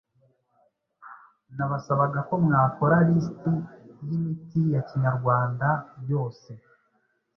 nabasabaga ko mwakora list yimiti yakinyarwanda yose